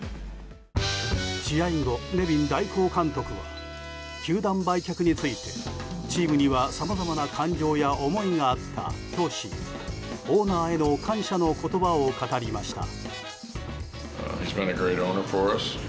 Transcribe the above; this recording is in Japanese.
試合後、ネビン代行監督は球団売却についてチームにはさまざまな感情や思いがあったとしオーナーへの感謝の言葉を語りました。